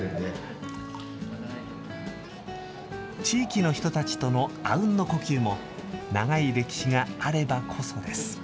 地域の人たちとのあうんの呼吸も、長い歴史があればこそです。